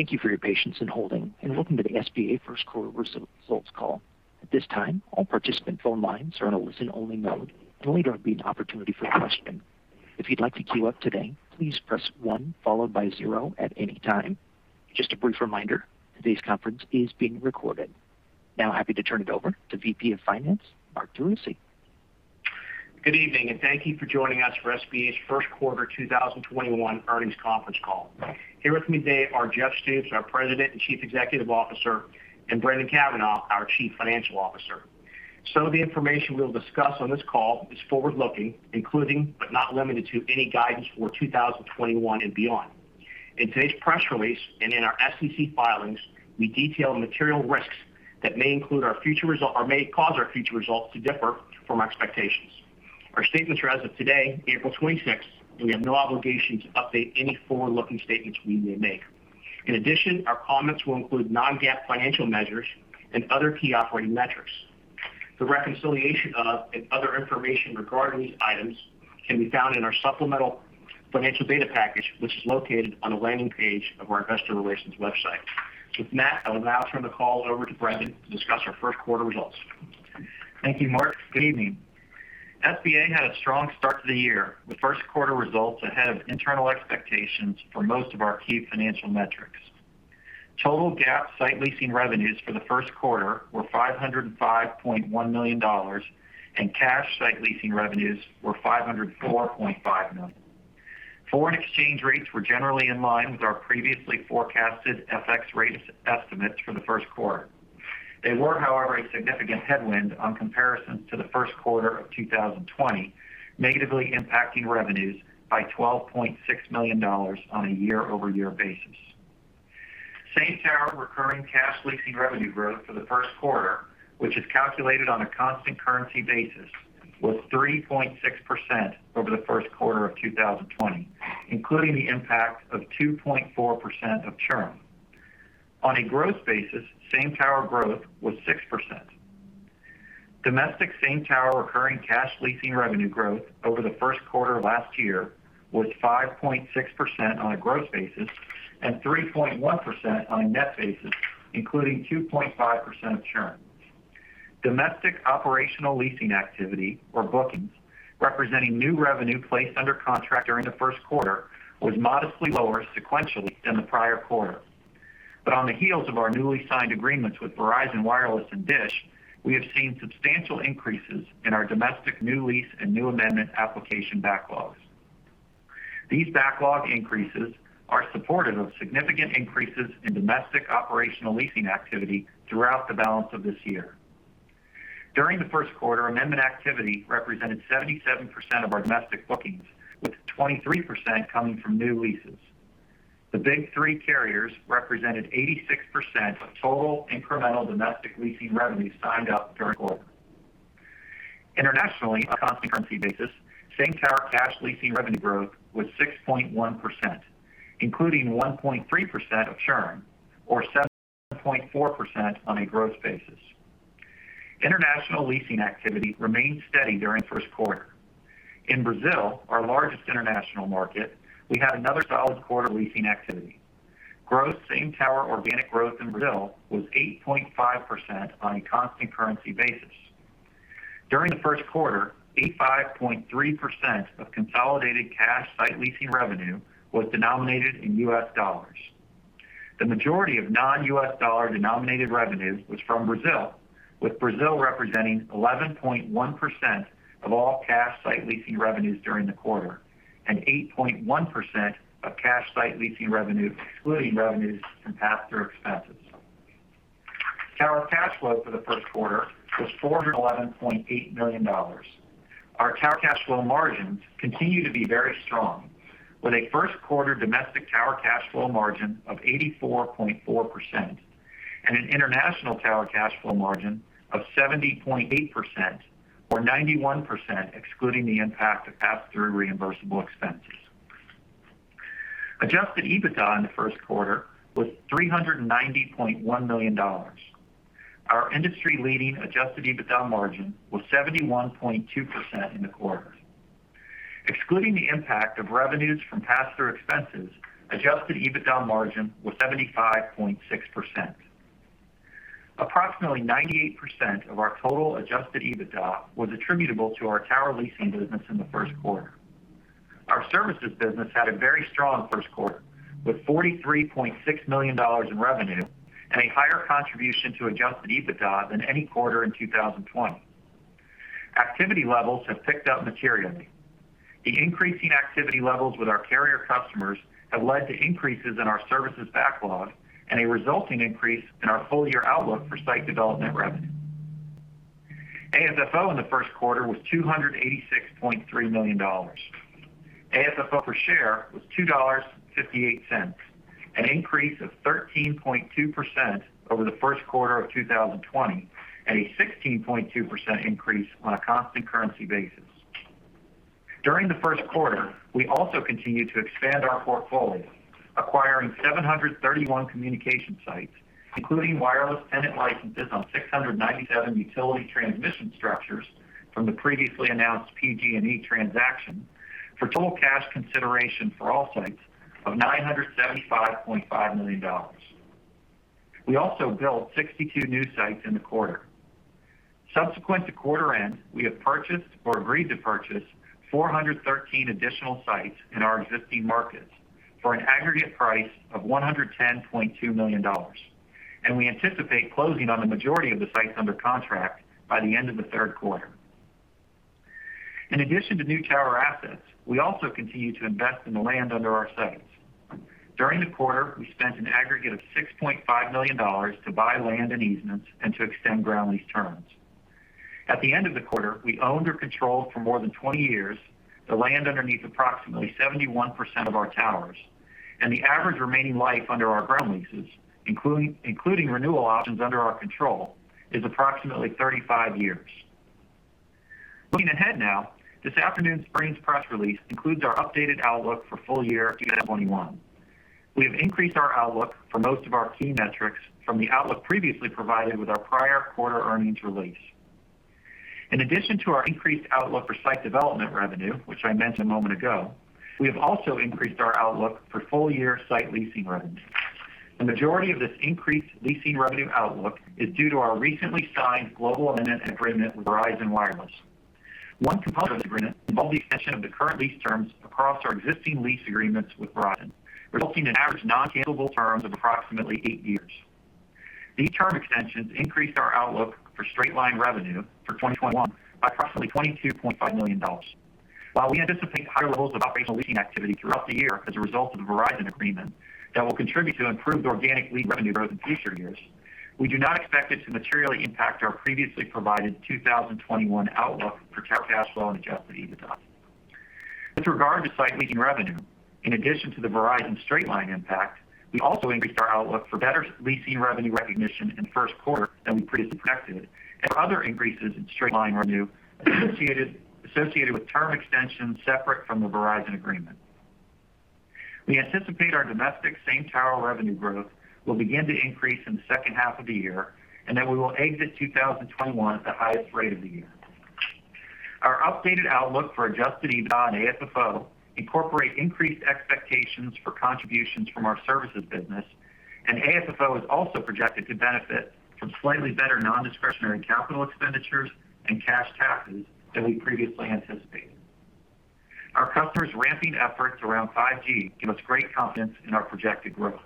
Thank you for your patience in holding. Welcome to the SBA first quarter results call. Happy to turn it over to VP of Finance, Mark DeRussy. Good evening, and thank you for joining us for SBA's first quarter 2021 earnings conference call. Here with me today are Jeff Stoops, our President and Chief Executive Officer, and Brendan Cavanagh, our Chief Financial Officer. Some of the information we'll discuss on this call is forward-looking, including, but not limited to, any guidance for 2021 and beyond. In today's press release and in our SEC filings, we detail the material risks that may cause our future results to differ from our expectations. Our statements are as of today, April 26th, and we have no obligation to update any forward-looking statements we may make. In addition, our comments will include non-GAAP financial measures and other key operating metrics. The reconciliation of, and other information regarding these items can be found in our supplemental financial data package, which is located on the landing page of our investor relations website. With that, I'll now turn the call over to Brendan to discuss our first quarter results. Thank you, Mark. Good evening. SBA had a strong start to the year, with first quarter results ahead of internal expectations for most of our key financial metrics. Total GAAP site leasing revenues for the first quarter were $505.1 million, and cash site leasing revenues were $504.5 million. Foreign exchange rates were generally in line with our previously forecasted FX rates estimates for the first quarter. They were, however, a significant headwind on comparison to the first quarter of 2020, negatively impacting revenues by $12.6 million on a year-over-year basis. Same tower recurring cash leasing revenue growth for the first quarter, which is calculated on a constant currency basis, was 3.6% over the first quarter of 2020, including the impact of 2.4% of churn. On a growth basis, same tower growth was 6%. Domestic same tower recurring cash leasing revenue growth over the first quarter of last year was 5.6% on a growth basis and 3.1% on a net basis, including 2.5% churn. Domestic operational leasing activity, or bookings, representing new revenue placed under contract during the first quarter, was modestly lower sequentially than the prior quarter. On the heels of our newly signed agreements with Verizon Wireless and Dish, we have seen substantial increases in our domestic new lease and new amendment application backlogs. These backlog increases are supportive of significant increases in domestic operational leasing activity throughout the balance of this year. During the first quarter, amendment activity represented 77% of our domestic bookings, with 23% coming from new leases. The big three carriers represented 86% of total incremental domestic leasing revenues signed up during the quarter. Internationally, on a constant currency basis, same tower cash leasing revenue growth was 6.1%, including 1.3% of churn, or 7.4% on a growth basis. International leasing activity remained steady during the first quarter. In Brazil, our largest international market, we had another solid quarter leasing activity. Growth same tower organic growth in Brazil was 8.5% on a constant currency basis. During the first quarter, 85.3% of consolidated cash site leasing revenue was denominated in US dollars. The majority of non-US dollar denominated revenues was from Brazil, with Brazil representing 11.1% of all cash site leasing revenues during the quarter and 8.1% of cash site leasing revenue, excluding revenues from pass-through expenses. Tower cash flow for the first quarter was $411.8 million. Our tower cash flow margins continue to be very strong, with a first quarter domestic tower cash flow margin of 84.4% and an international tower cash flow margin of 70.8%, or 91% excluding the impact of pass-through reimbursable expenses. Adjusted EBITDA in the first quarter was $390.1 million. Our industry-leading Adjusted EBITDA margin was 71.2% in the quarter. Excluding the impact of revenues from pass-through expenses, Adjusted EBITDA margin was 75.6%. Approximately 98% of our total Adjusted EBITDA was attributable to our tower leasing business in the first quarter. Our services business had a very strong first quarter, with $43.6 million in revenue and a higher contribution to Adjusted EBITDA than any quarter in 2020. Activity levels have picked up materially. The increasing activity levels with our carrier customers have led to increases in our services backlog and a resulting increase in our full-year outlook for site development revenue. AFFO in the first quarter was $286.3 million. AFFO per share was $2.58, an increase of 13.2% over the first quarter of 2020, and a 16.2% increase on a constant currency basis. During the first quarter, we also continued to expand our portfolio, acquiring 731 communication sites, including wireless tenant licenses on 697 utility transmission structures from the previously announced PG&E transaction. For total cash consideration for all sites of $975.5 million. We also built 62 new sites in the quarter. Subsequent to quarter end, we have purchased or agreed to purchase 413 additional sites in our existing markets for an aggregate price of $110.2 million. We anticipate closing on the majority of the sites under contract by the end of the third quarter. In addition to new tower assets, we also continue to invest in the land under our sites. During the quarter, we spent an aggregate of $6.5 million to buy land and easements and to extend ground lease terms. At the end of the quarter, we owned or controlled for more than 20 years, the land underneath approximately 71% of our towers, and the average remaining life under our ground leases, including renewal options under our control, is approximately 35 years. Looking ahead now, this afternoon's Sprint press release includes our updated outlook for full year 2021. We have increased our outlook for most of our key metrics from the outlook previously provided with our prior quarter earnings release. In addition to our increased outlook for site development revenue, which I mentioned a moment ago, we have also increased our outlook for full year site leasing revenue. The majority of this increased leasing revenue outlook is due to our recently signed global amendment agreement with Verizon Wireless. One component of the agreement involved the extension of the current lease terms across our existing lease agreements with Verizon, resulting in average non-cancelable terms of approximately eight years. These term extensions increased our outlook for straight-line revenue for 2021 by approximately $22.5 million. While we anticipate higher levels of operational leasing activity throughout the year as a result of the Verizon agreement that will contribute to improved organic lead revenue growth in future years, we do not expect it to materially impact our previously provided 2021 outlook for cash flow and Adjusted EBITDA. With regard to site leasing revenue, in addition to the Verizon straight-line impact, we also increased our outlook for better leasing revenue recognition in the first quarter than we previously projected and other increases in straight-line revenue associated with term extensions separate from the Verizon agreement. We anticipate our domestic same tower revenue growth will begin to increase in the second half of the year, and then we will exit 2021 at the highest rate of the year. Our updated outlook for adjusted EBITDA and AFFO incorporate increased expectations for contributions from our services business, and AFFO is also projected to benefit from slightly better non-discretionary capital expenditures and cash taxes than we previously anticipated. Our customers' ramping efforts around 5G give us great confidence in our projected growth.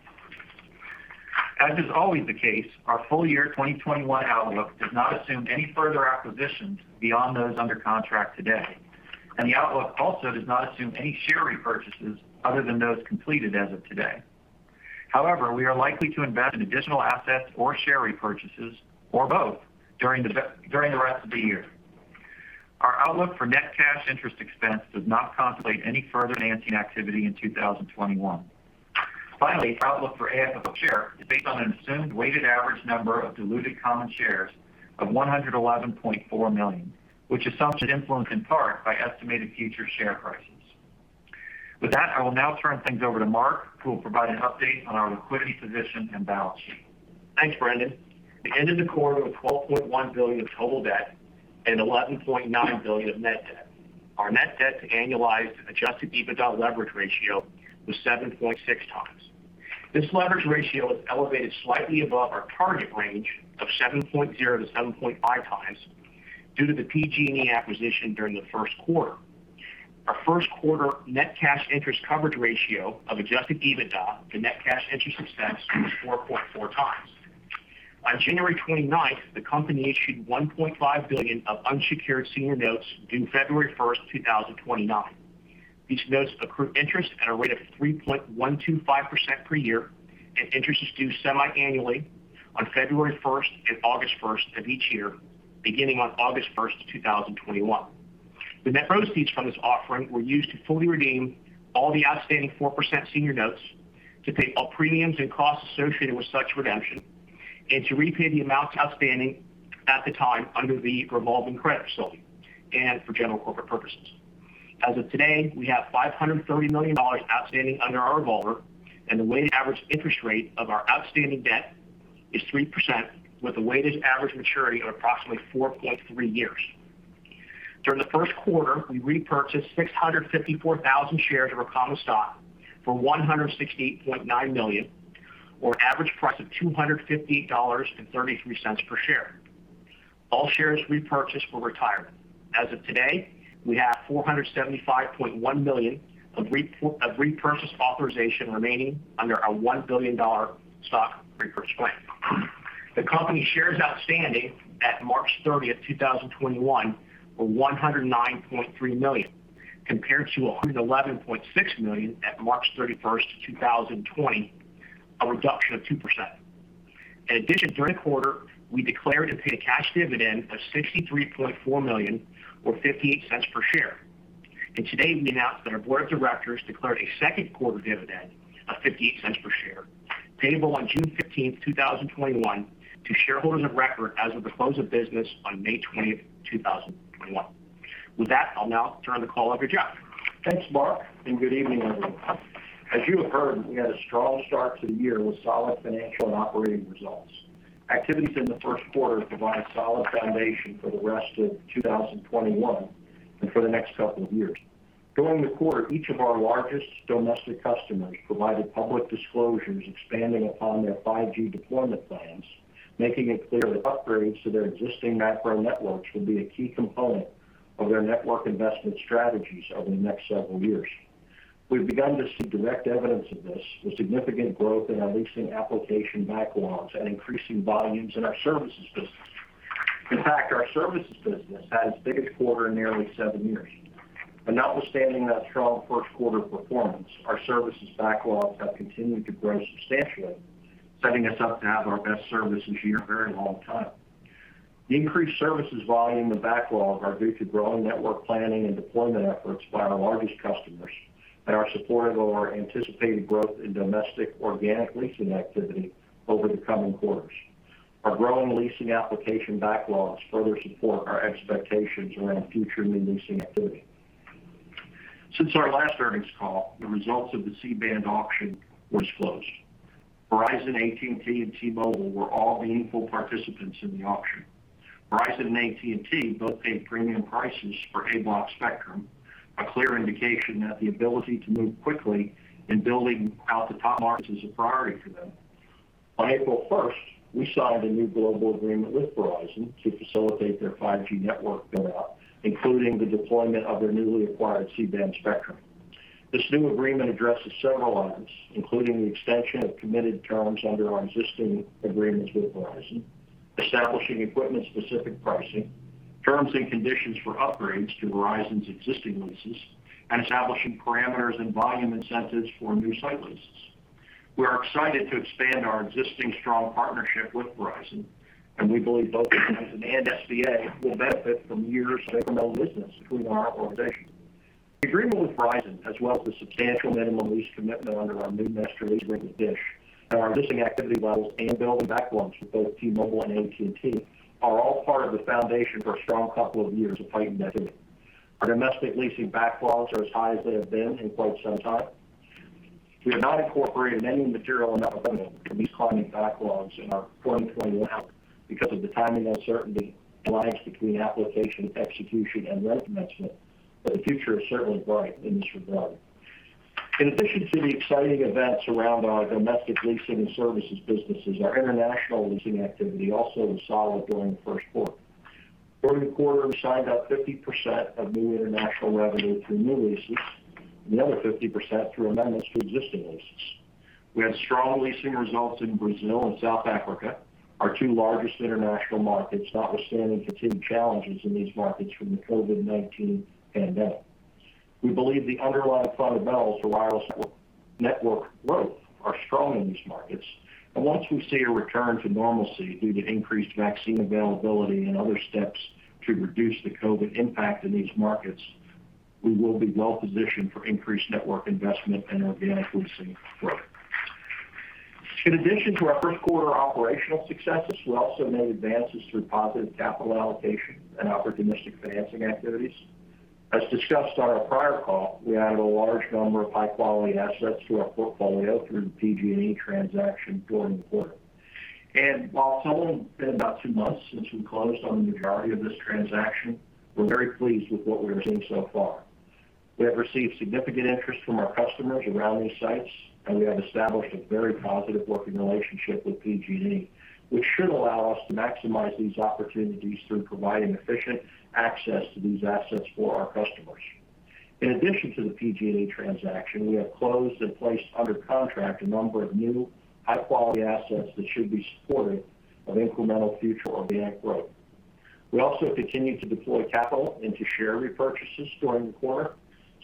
As is always the case, our full year 2021 outlook does not assume any further acquisitions beyond those under contract today, and the outlook also does not assume any share repurchases other than those completed as of today. However, we are likely to invest in additional assets or share repurchases or both during the rest of the year. Our outlook for net cash interest expense does not contemplate any further financing activity in 2021. Finally, our outlook for AFFO share is based on an assumed weighted average number of diluted common shares of 111.4 million, which assumption influenced in part by estimated future share prices. With that, I will now turn things over to Mark, who will provide an update on our liquidity position and balance sheet. Thanks, Brendan. We ended the quarter with $12.1 billion of total debt and $11.9 billion of net debt. Our net debt to annualized adjusted EBITDA leverage ratio was 7.6 times. This leverage ratio is elevated slightly above our target range of 7.0-7.5x due to the PG&E acquisition during the first quarter. Our first quarter net cash interest coverage ratio of adjusted EBITDA to net cash interest expense was 4.4x. On January 29th, the company issued $1.5 billion of unsecured senior notes due February 1st, 2029. These notes accrue interest at a rate of 3.125% per year, and interest is due semi-annually on February 1st and August 1st of each year, beginning on August 1st of 2021. The net proceeds from this offering were used to fully redeem all the outstanding 4% senior notes to pay all premiums and costs associated with such redemption and to repay the amounts outstanding at the time under the revolving credit facility and for general corporate purposes. As of today, we have $530 million outstanding under our revolver, and the weighted average interest rate of our outstanding debt is 3% with a weighted average maturity of approximately 4.3 years. During the first quarter, we repurchased 654,000 shares of our common stock for $168.9 million, or an average price of $258.33 per share. All shares repurchased were retired. As of today, we have $475.1 million of repurchase authorization remaining under our $1 billion stock repurchase plan. The company shares outstanding at March 30th 2021 were 109.3 million compared to 111.6 million at March 31st 2020, a reduction of 2%. In addition, during the quarter, we declared and paid a cash dividend of $63.4 million or $0.58 per share. Today we announced that our board of directors declared a second quarter dividend of $0.58 per share, payable on June 15th 2021 to shareholders of record as of the close of business on May 20th 2021. With that, I'll now turn the call over to Jeff. Thanks, Mark, and good evening, everyone. As you have heard, we had a strong start to the year with solid financial and operating results. Activities in the first quarter provide a solid foundation for the rest of 2021 and for the next couple of years. During the quarter, each of our largest domestic customers provided public disclosures expanding upon their 5G deployment plans, making it clear that upgrades to their existing macro networks will be a key component of their network investment strategies over the next several years. We've begun to see direct evidence of this with significant growth in our leasing application backlogs and increasing volumes in our services business. In fact, our services business had its biggest quarter in nearly seven years. Notwithstanding that strong first quarter performance, our services backlogs have continued to grow substantially, setting us up to have our best services year in a very long time. The increased services volume and backlog are due to growing network planning and deployment efforts by our largest customers and are supportive of our anticipated growth in domestic organic leasing activity over the coming quarters. Our growing leasing application backlogs further support our expectations around future new leasing activity. Since our last earnings call, the results of the C-band auction were disclosed. Verizon, AT&T, and T-Mobile were all meaningful participants in the auction. Verizon and AT&T both paid premium prices for A Block spectrum, a clear indication that the ability to move quickly in building out the top markets is a priority for them. On April 1st, we signed a new global agreement with Verizon to facilitate their 5G network build-out, including the deployment of their newly acquired C-band spectrum. This new agreement addresses several items, including the extension of committed terms under our existing agreements with Verizon, establishing equipment-specific pricing, terms and conditions for upgrades to Verizon's existing leases, and establishing parameters and volume incentives for new site leases. We are excited to expand our existing strong partnership with Verizon, and we believe both Verizon and SBA will benefit from years of incremental business between our organizations. The agreement with Verizon, as well as the substantial minimum lease commitment under our new master lease with Dish and our existing activity levels and building backlogs with both T-Mobile and AT&T are all part of the foundation for a strong couple of years of heightened activity. Our domestic leasing backlogs are as high as they have been in quite some time. We have not incorporated any material amount of revenue from these climbing backlogs in our 2021 outlook because of the timing uncertainty and lags between application, execution, and rent commencement, but the future is certainly bright in this regard. In addition to the exciting events around our domestic leasing and services businesses, our international leasing activity also was solid during the first quarter. During the quarter, we signed up 50% of new international revenue through new leases and the other 50% through amendments to existing leases. We had strong leasing results in Brazil and South Africa, our two largest international markets, notwithstanding continued challenges in these markets from the COVID-19 pandemic. We believe the underlying fundamentals for wireless network growth are strong in these markets. Once we see a return to normalcy due to increased vaccine availability and other steps to reduce the COVID-19 impact in these markets, we will be well-positioned for increased network investment and organic leasing growth. In addition to our first quarter operational successes, we also made advances through positive capital allocation and opportunistic financing activities. As discussed on our prior call, we added a large number of high-quality assets to our portfolio through the PG&E transaction during the quarter. While it's only been about two months since we closed on the majority of this transaction, we're very pleased with what we are seeing so far. We have received significant interest from our customers around these sites, and we have established a very positive working relationship with PG&E, which should allow us to maximize these opportunities through providing efficient access to these assets for our customers. In addition to the PG&E transaction, we have closed and placed under contract a number of new high-quality assets that should be supportive of incremental future organic growth. We also continued to deploy capital into share repurchases during the quarter,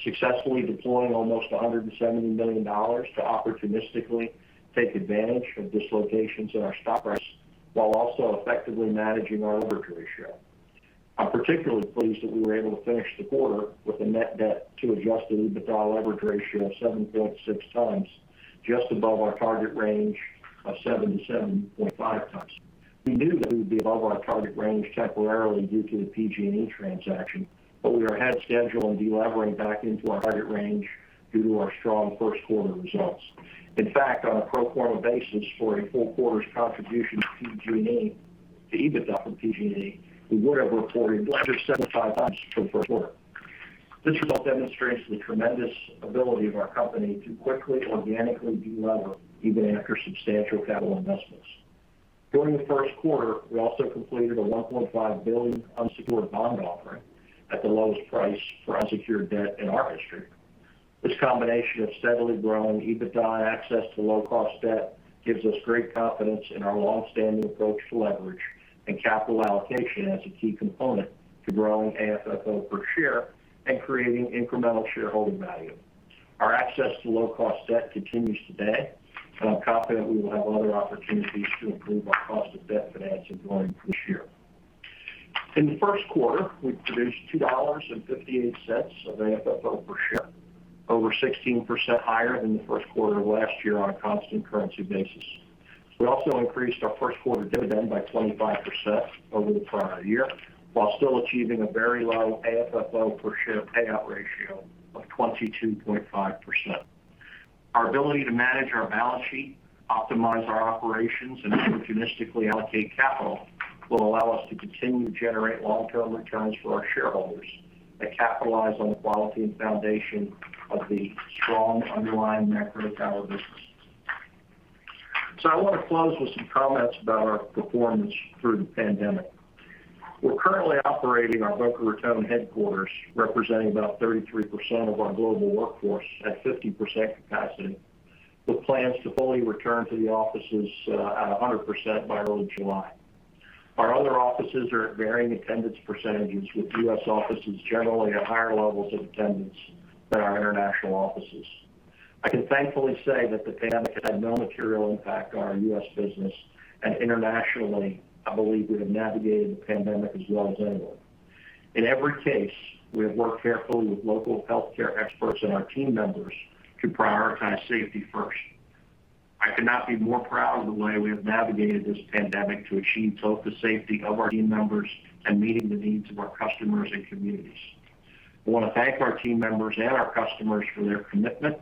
successfully deploying almost $170 million to opportunistically take advantage of dislocations in our stock price, while also effectively managing our leverage ratio. I'm particularly pleased that we were able to finish the quarter with a net debt to adjusted EBITDA leverage ratio of 7.6x, just above our target range of 7x to 7.5x. We knew that we would be above our target range temporarily due to the PG&E transaction, but we are ahead of schedule in de-levering back into our target range due to our strong first quarter results. In fact, on a pro forma basis for a full quarter's contribution of PG&E to EBITDA from PG&E, we would have reported leverage 7.5x for the first quarter. This result demonstrates the tremendous ability of our company to quickly organically de-lever even after substantial capital investments. During the first quarter, we also completed a $1.5 billion unsecured bond offering at the lowest price for unsecured debt in our history. This combination of steadily growing EBITDA and access to low-cost debt gives us great confidence in our longstanding approach to leverage and capital allocation as a key component to growing AFFO per share and creating incremental shareholder value. Our access to low-cost debt continues today, and I'm confident we will have other opportunities to improve our cost of debt financing during the year. In the first quarter, we produced $2.58 of AFFO per share, over 16% higher than the first quarter of last year on a constant currency basis. We also increased our first quarter dividend by 25% over the prior year while still achieving a very low AFFO per share payout ratio of 22.5%. Our ability to manage our balance sheet, optimize our operations, and opportunistically allocate capital will allow us to continue to generate long-term returns for our shareholders that capitalize on the quality and foundation of the strong underlying macro tower business. I want to close with some comments about our performance through the pandemic. We're currently operating our Boca Raton headquarters, representing about 33% of our global workforce, at 50% capacity, with plans to fully return to the offices at 100% by early July. Our other offices are at varying attendance percentages, with U.S. offices generally at higher levels of attendance than our international offices. I can thankfully say that the pandemic has had no material impact on our U.S. business, and internationally, I believe we have navigated the pandemic as well as anyone. In every case, we have worked carefully with local healthcare experts and our team members to prioritize safety first. I could not be more proud of the way we have navigated this pandemic to achieve both the safety of our team members and meeting the needs of our customers and communities. I want to thank our team members and our customers for their commitment,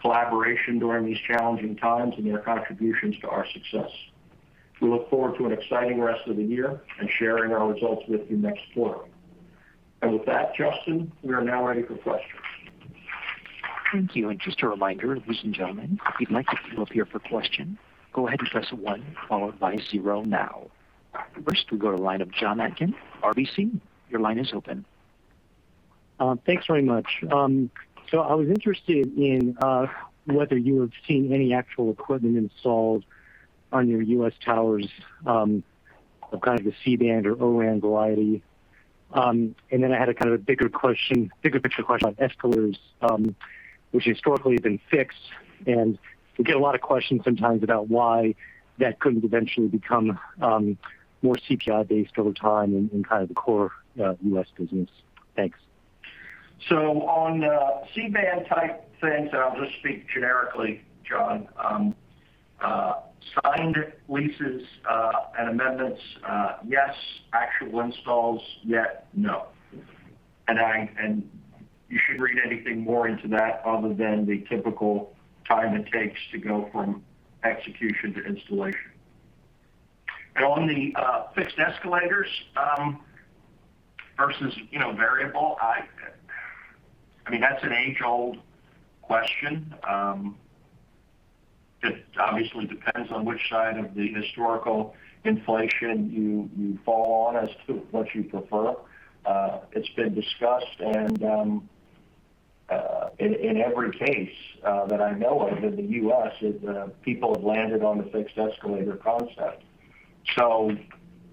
collaboration during these challenging times, and their contributions to our success. We look forward to an exciting rest of the year and sharing our results with you next quarter. With that, Justin, we are now ready for questions. Thank you. Just a reminder, ladies and gentlemen, if you'd like to queue up here for a question, go ahead and press one followed by zero now. First, we go to the line of Jon Atkin, RBC. Your line is open. Thanks very much. I was interested in whether you have seen any actual equipment installed on your U.S. towers of kind of the C-band or O-RAN variety. Then I had a kind of a bigger picture question on escalators, which historically have been fixed, and we get a lot of questions sometimes about why that couldn't eventually become more CPI based over time in kind of the core U.S. business. Thanks. On C-band type things, I'll just speak generically, Jon, signed leases and amendments, yes. Actual installs yet, no. You shouldn't read anything more into that other than the typical time it takes to go from execution to installation. On the fixed escalators versus variable, that's an age-old question. It obviously depends on which side of the historical inflation you fall on as to what you prefer. It's been discussed and in every case that I know of in the U.S., is people have landed on the fixed escalator concept.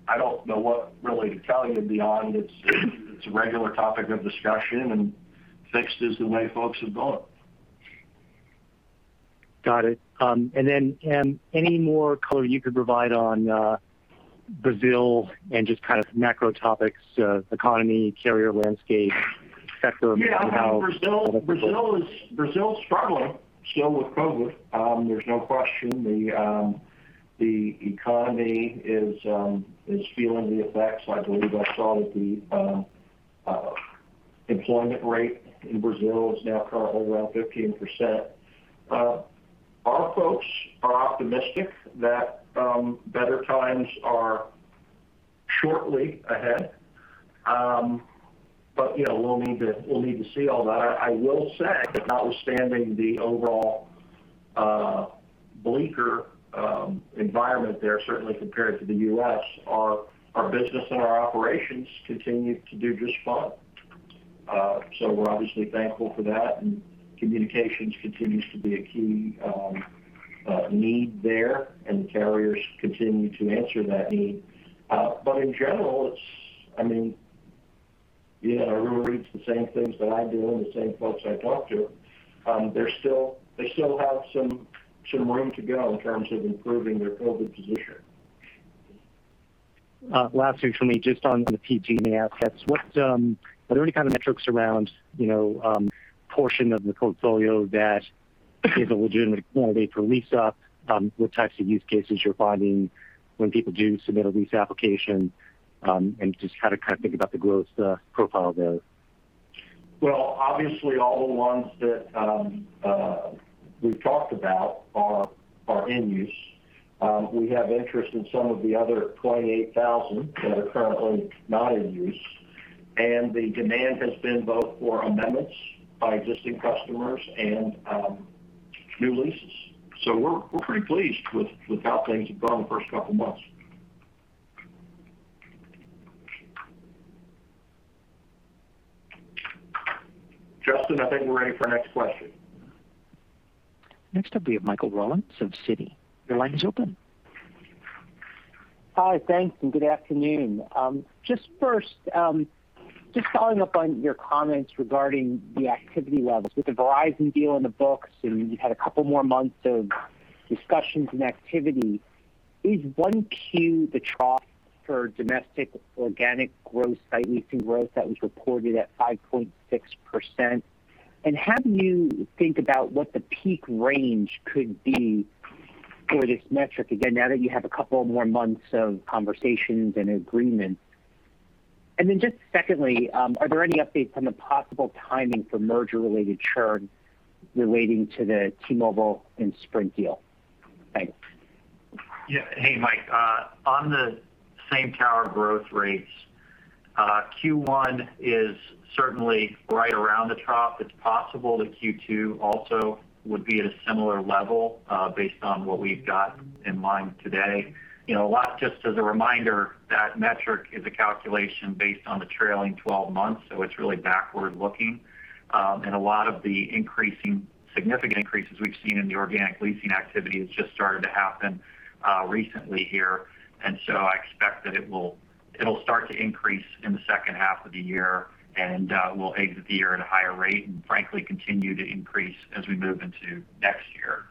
I don't know what really to tell you beyond it's a regular topic of discussion and fixed is the way folks have gone. Got it. Then any more color you could provide on Brazil and just kind of macro topics, economy, carrier landscape, spectrum. Yeah. Brazil is struggling still with COVID. There's no question the economy is feeling the effects. I believe I saw that the employment rate in Brazil is now currently around 15%. Our folks are optimistic that better times are shortly ahead. We'll need to see all that. I will say, notwithstanding the overall bleaker environment there, certainly compared to the U.S., our business and our operations continue to do just fine. We're obviously thankful for that, and communications continues to be a key need there, and carriers continue to answer that need. In general, you read the same things that I do and the same folks I talk to, they still have some room to go in terms of improving their COVID position. Last two for me, just on the PG&E assets. Are there any kind of metrics around portion of the portfolio that is a legitimate candidate for lease up? What types of use cases you're finding when people do submit a lease application? Just how to think about the growth profile there. Well, obviously all the ones that we've talked about are in use. We have interest in some of the other 28,000 that are currently not in use, and the demand has been both for amendments by existing customers and new leases. We're pretty pleased with how things have gone the first couple of months. Justin, I think we're ready for the next question. Next up we have Michael Rollins of Citi. Your line is open. Hi. Thanks, and good afternoon. First, just following up on your comments regarding the activity levels. With the Verizon deal in the books and you've had a couple more months of discussions and activity, is 1Q the trough for domestic organic growth, site leasing growth that was reported at 5.6%? How do you think about what the peak range could be for this metric, again, now that you have a couple more months of conversations and agreements? Then just secondly, are there any updates on the possible timing for merger-related churn relating to the T-Mobile and Sprint deal? Thanks. Yeah. Hey, Mike, on the same tower growth rates, Q1 is certainly right around the trough. It is possible that Q2 also would be at a similar level, based on what we have got in mind today. A lot, just as a reminder, that metric is a calculation based on the trailing 12 months, so it is really backward-looking. A lot of the significant increases we have seen in the organic leasing activity has just started to happen recently here. I expect that it will start to increase in the second half of the year, and we will exit the year at a higher rate, and frankly, continue to increase as we move into next year.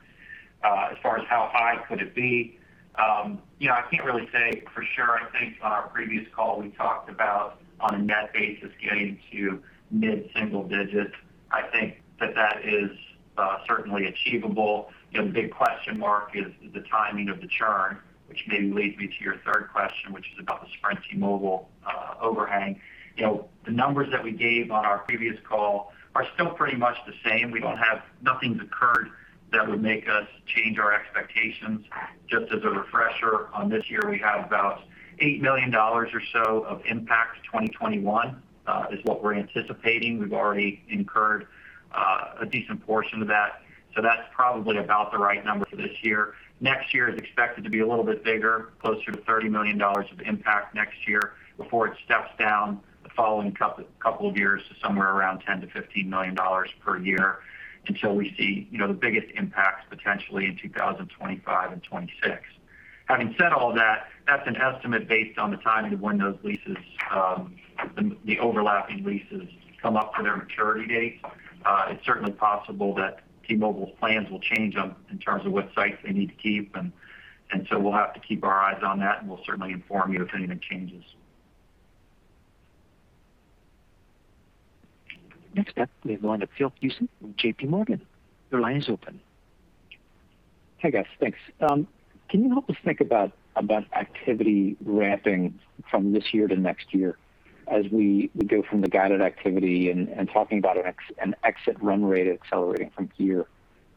As far as how high could it be, I cannot really say for sure. I think on our previous call, we talked about on a net basis, getting to mid-single digits. I think that that is certainly achievable. The big question mark is the timing of the churn, which maybe leads me to your third question, which is about the Sprint/T-Mobile overhang. The numbers that we gave on our previous call are still pretty much the same. Nothing's occurred that would make us change our expectations. Just as a refresher, on this year, we have about $8 million or so of impact to 2021, is what we're anticipating. We've already incurred a decent portion of that, so that's probably about the right number for this year. Next year is expected to be a little bit bigger, closer to $30 million of impact next year, before it steps down the following couple of years to somewhere around $10 million to $15 million per year, until we see the biggest impacts potentially in 2025 and 2026. Having said all that's an estimate based on the timing of when the overlapping leases come up for their maturity date. It's certainly possible that T-Mobile's plans will change in terms of what sites they need to keep, and so we'll have to keep our eyes on that, and we'll certainly inform you if anything changes. Next up, we have the line of Philip Cusick from JPMorgan. Your line is open. Hey, guys. Thanks. Can you help us think about activity ramping from this year to next year as we go from the guided activity and talking about an exit run rate accelerating from here?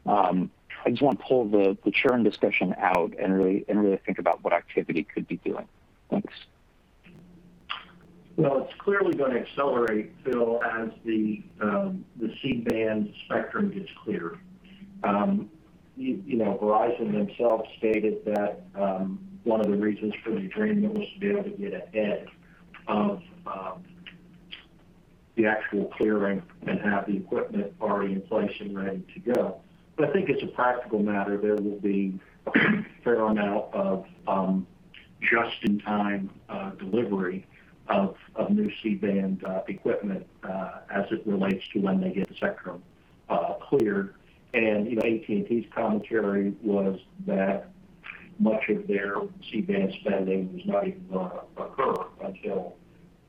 I just want to pull the churn discussion out and really think about what activity could be doing. Thanks. Well, it's clearly going to accelerate, Philip Cusick, as the C-band spectrum gets cleared. Verizon themselves stated that one of the reasons for the agreement was to be able to get ahead of the actual clearing and have the equipment already in place and ready to go. I think as a practical matter, there will be a fair amount of just-in-time delivery of new C-band equipment as it relates to when they get the spectrum cleared. AT&T's commentary was that much of their C-band spending was not even going to occur until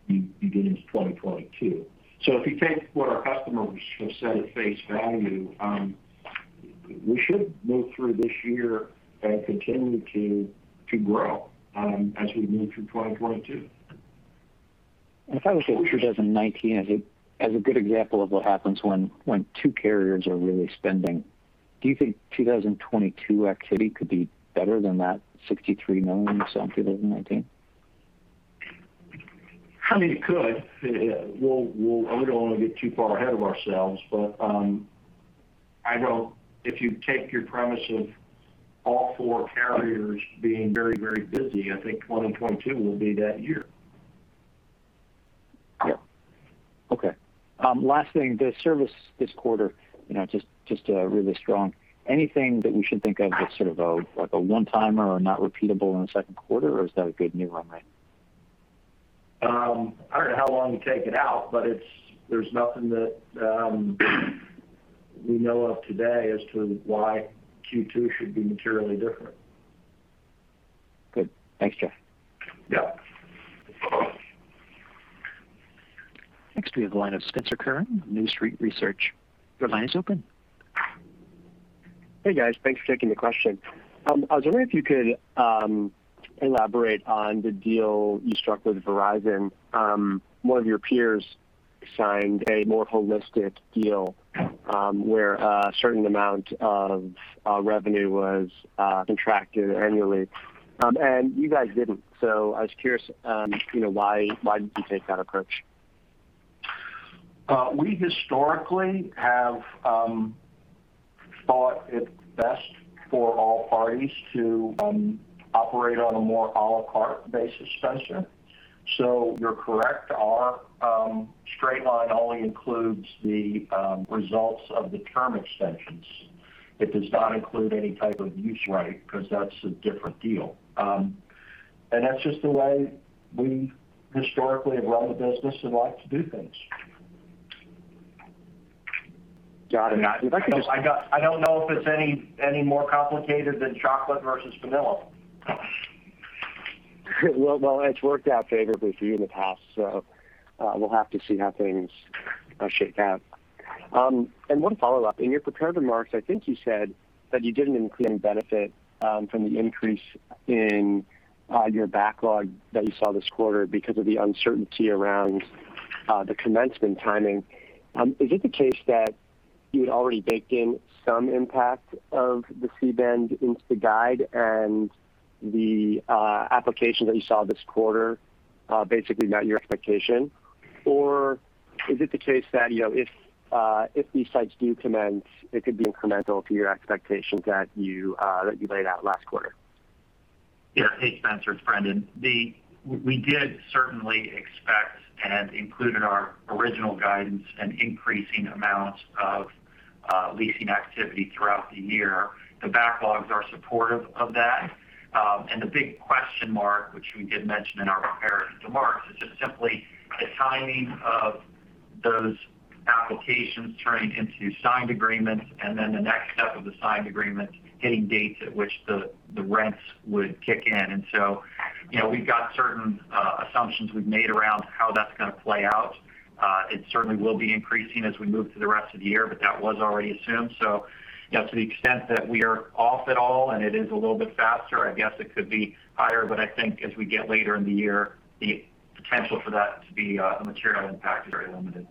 you get into 2022. If you take what our customers have said at face value, we should move through this year and continue to grow as we move through 2022. If I would say 2019 as a good example of what happens when two carriers are really spending, do you think 2022 activity could be better than that $63 million we saw in 2019? It could. I wouldn't want to get too far ahead of ourselves, but if you take your premise of all four carriers being very, very busy, I think 2022 will be that year. Yeah. Okay. Last thing, the service this quarter, just really strong. Anything that we should think of as sort of a one-timer or not repeatable in the second quarter, or is that a good new run rate? I don't know how long you take it out, but there's nothing that we know of today as to why Q2 should be materially different. Good. Thanks, Jeff. Yeah. Next we have the line of Spencer Kurn, New Street Research. Your line is open. Hey, guys. Thanks for taking the question. I was wondering if you could elaborate on the deal you struck with Verizon. One of your peers signed a more holistic deal where a certain amount of revenue was contracted annually, and you guys didn't. I was curious, why didn't you take that approach? We historically have thought it best for all parties to operate on a more à la carte basis, Spencer. You're correct, our straight line only includes the results of the term extensions. It does not include any type of use right, because that's a different deal. That's just the way we historically have run the business and like to do things. Got it. I don't know if it's any more complicated than chocolate versus vanilla. Well, it's worked out favorably for you in the past, so we'll have to see how things shake out. One follow-up. In your prepared remarks, I think you said that you didn't include any benefit from the increase in your backlog that you saw this quarter because of the uncertainty around the commencement timing. Is it the case that you had already baked in some impact of the C-band into the guide and the application that you saw this quarter basically met your expectation? Or is it the case that, if these sites do commence, it could be incremental to your expectations that you laid out last quarter? Yeah. Hey, Spencer, it's Brendan. We did certainly expect and included our original guidance an increasing amount of leasing activity throughout the year. The backlogs are supportive of that. The big question mark, which we did mention in our prepared remarks, is just simply the timing of those applications turning into signed agreements, and then the next step of the signed agreements hitting dates at which the rents would kick in. We've got certain assumptions we've made around how that's going to play out. It certainly will be increasing as we move through the rest of the year, but that was already assumed. To the extent that we are off at all and it is a little bit faster, I guess it could be higher. I think as we get later in the year, the potential for that to be a material impact is very limited.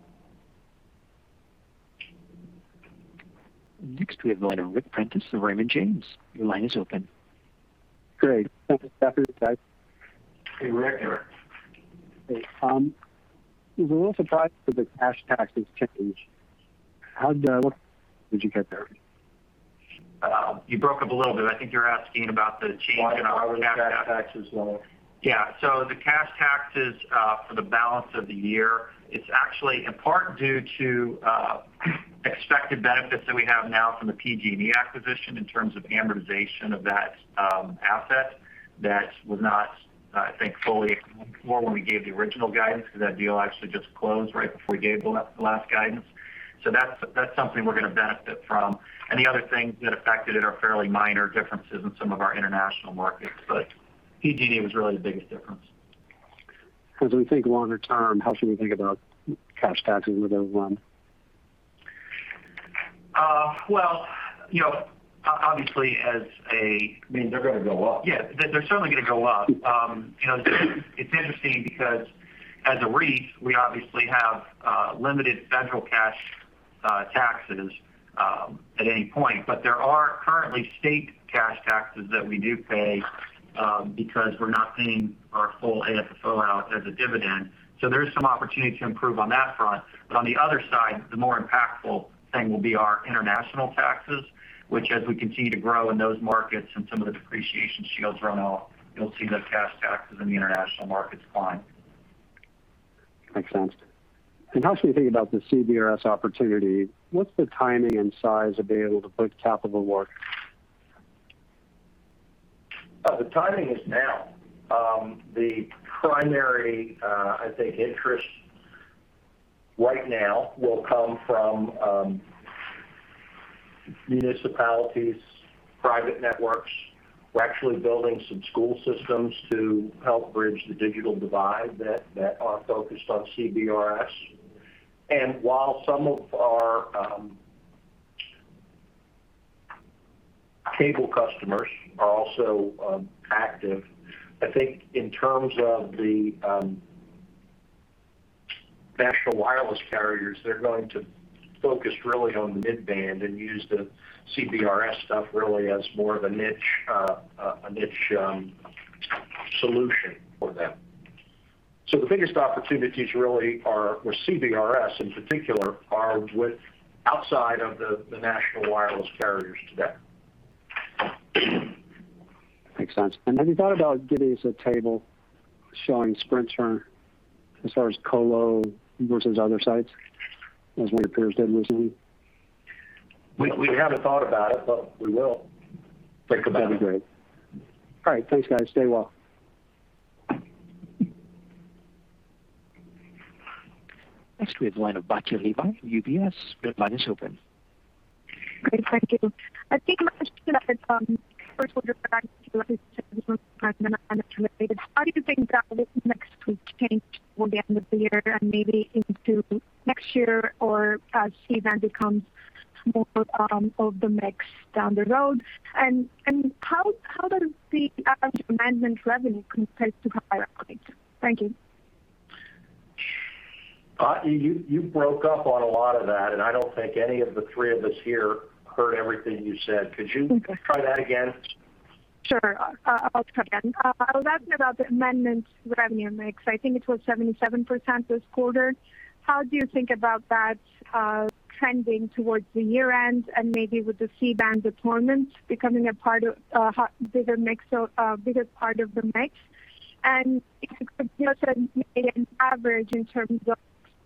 Next we have the line of Ric Prentiss of Raymond James. Your line is open. Great. Thanks. Good afternoon, guys. Hey, Ric. How are you? Hey. We were a little surprised with the cash taxes change. How did you get there? You broke up a little bit. I think you're asking about the change in our cash. Why were cash taxes lower? Yeah. The cash taxes for the balance of the year, it's actually in part due to expected benefits that we have now from the PG&E acquisition in terms of amortization of that asset that was not, I think, fully accounted for when we gave the original guidance, because that deal actually just closed right before we gave the last guidance. That's something we're going to benefit from. The other things that affected it are fairly minor differences in some of our international markets. PG&E was really the biggest difference. As we think longer term, how should we think about cash taxes moving along? Well, obviously as a. I mean, they're going to go up. Yeah. They're certainly going to go up. It's interesting because as a REIT, we obviously have limited federal cash taxes at any point. There are currently state cash taxes that we do pay because we're not paying our full AFFO out as a dividend. There is some opportunity to improve on that front. On the other side, the more impactful thing will be our international taxes, which as we continue to grow in those markets and some of the depreciation shields run off, you'll see those cash taxes in the international markets climb. Makes sense. How should we think about the CBRS opportunity? What's the timing and size of being able to put capital to work? The timing is now. The primary interest right now will come from municipalities, private networks. We're actually building some school systems to help bridge the digital divide that are focused on CBRS. While some of our cable customers are also active, in terms of the national wireless carriers, they're going to focus really on the mid-band and use the CBRS stuff really as more of a niche solution for them. The biggest opportunities really are, with CBRS in particular, are outside of the national wireless carriers today. Makes sense. Have you thought about giving us a table showing Sprint turn as far as colo versus other sites, as one of your peers did recently? We haven't thought about it, but we will think about it. That'd be great. All right, thanks guys. Stay well. Next we have the line of Batya Levi from UBS. Your line is open. Great. Thank you. I think my question first one goes back to how do you think that this next could change toward the end of the year and maybe into next year or as C-band becomes more of the mix down the road? How does the amendment revenue compare to prior upgrades? Thank you. Batya, you broke up on a lot of that, and I don't think any of the three of us here heard everything you said. Could you try that again? Sure. I'll try again. I was asking about the amendments revenue mix. I think it was 77% this quarter. How do you think about that trending towards the year-end and maybe with the C-band deployment becoming a bigger part of the mix? If you could also maybe average in terms of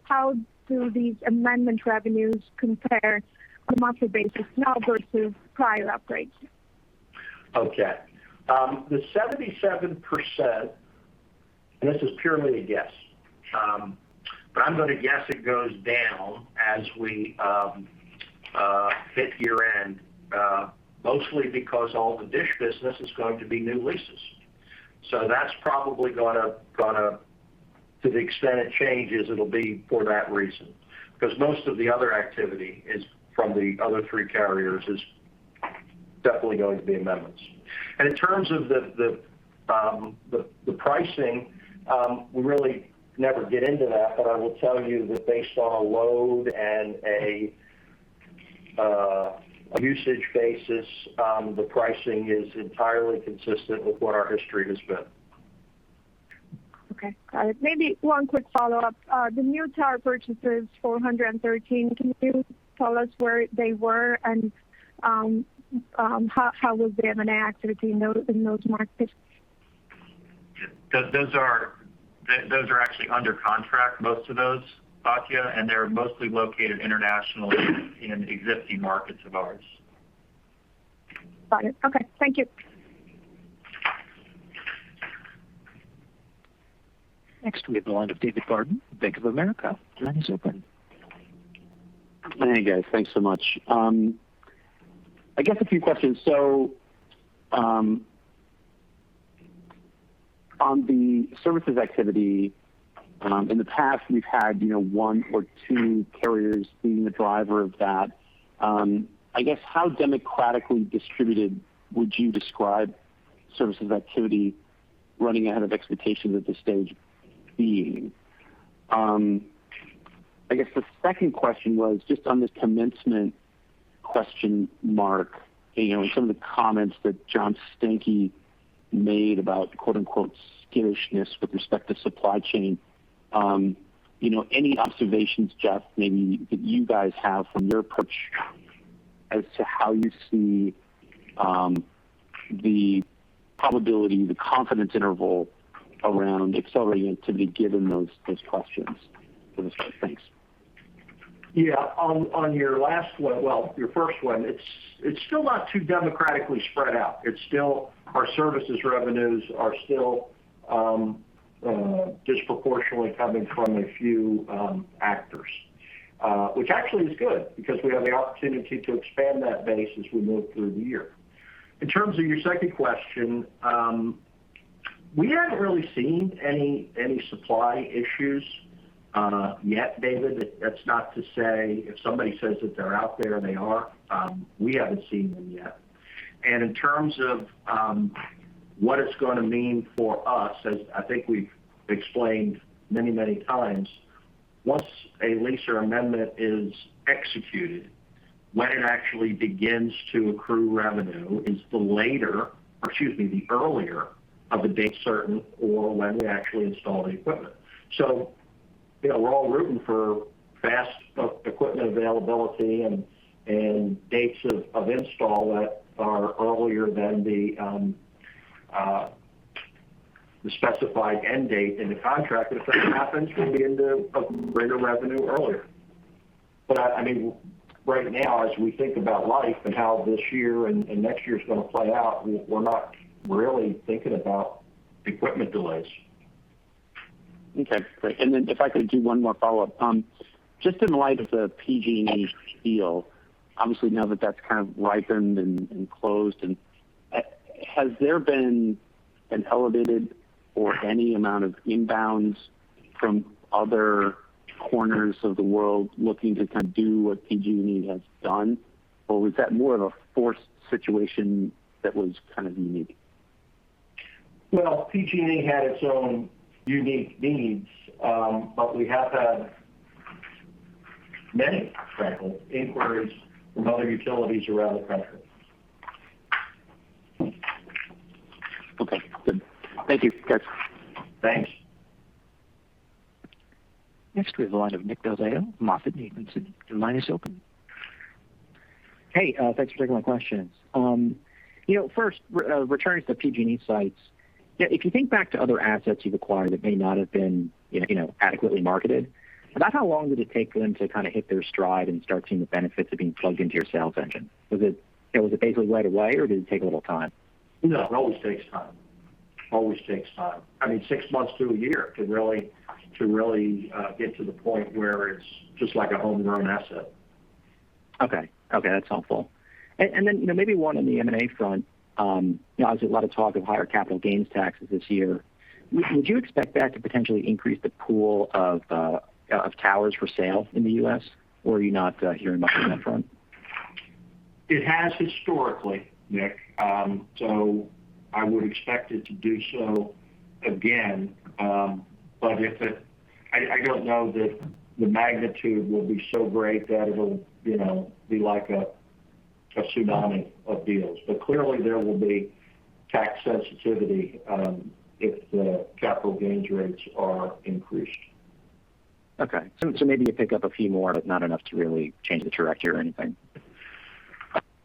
how do these amendment revenues compare on a monthly basis now versus prior upgrades? Okay. The 77%, and this is purely a guess, but I'm going to guess it goes down as we hit year-end, mostly because all the Dish business is going to be new leases. That's probably going to the extent it changes, it'll be for that reason. Because most of the other activity is from the other three carriers, is definitely going to be amendments. In terms of the pricing, we really never get into that. I will tell you that based on a load and a usage basis, the pricing is entirely consistent with what our history has been. Okay. Got it. Maybe one quick follow-up. The new tower purchases, 413, can you tell us where they were and how was the M&A activity in those markets? Those are actually under contract, most of those, Batya Levi, and they're mostly located internationally in existing markets of ours. Got it. Okay. Thank you. Next, we have the line of David Barden, Bank of America. Your line is open. Hey, guys. Thanks so much. I guess a few questions. On the services activity, in the past, we've had one or two carriers being the driver of that. I guess how democratically distributed would you describe services activity running ahead of expectations at this stage being? I guess the second question was just on this commencement question mark, and some of the comments that John Stankey made about "skittishness" with respect to supply chain. Any observations, Jeff, maybe that you guys have from your perch as to how you see the probability, the confidence interval around accelerating activity, given those questions for the start? Thanks. Yeah. On your last one, well, your first one, it's still not too democratically spread out. Our services revenues are still disproportionately coming from a few actors, which actually is good because we have the opportunity to expand that base as we move through the year. In terms of your second question, we haven't really seen any supply issues yet, David. That's not to say if somebody says that they're out there, they are. We haven't seen them yet. In terms of what it's going to mean for us, as I think we've explained many times, once a lease or amendment is executed, when it actually begins to accrue revenue is the later, or excuse me, the earlier of the date certain, or when we actually install the equipment. We're all rooting for fast equipment availability and dates of install that are earlier than the specified end date in the contract. If that happens, we'll be into greater revenue earlier. Right now, as we think about life and how this year and next year's going to play out, we're not really thinking about equipment delays. Okay, great. If I could do one more follow-up. Just in light of the PG&E deal, obviously now that that's kind of ripened and closed, has there been an elevated or any amount of inbounds from other corners of the world looking to kind of do what PG&E has done? Or was that more of a forced situation that was kind of unique? Well, PG&E had its own unique needs. We have had many, for example, inquiries from other utilities around the country. Okay, good. Thank you, Jeff. Thanks. Next, we have the line of Nick Del Deo, MoffettNathanson. Your line is open. Hey, thanks for taking my questions. First, returning to the PG&E sites, if you think back to other assets you've acquired that may not have been adequately marketed, about how long did it take them to kind of hit their stride and start seeing the benefits of being plugged into your sales engine? Was it basically right away, or did it take a little time? No, it always takes time. Always takes time. Six months to a year to really get to the point where it's just like a homegrown asset. Okay. That's helpful. Maybe one on the M&A front. Obviously, a lot of talk of higher capital gains taxes this year. Would you expect that to potentially increase the pool of towers for sale in the U.S., or are you not hearing much on that front? It has historically, Nick, so I would expect it to do so again. I don't know that the magnitude will be so great that it'll be like a tsunami of deals. Clearly, there will be tax sensitivity if the capital gains rates are increased. Okay. Maybe you pick up a few more, but not enough to really change the trajectory or anything.